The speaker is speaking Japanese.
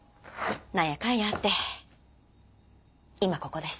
何やかんやあってイマココです。